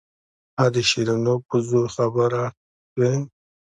ها د شيرينو په زوى خبره سوې.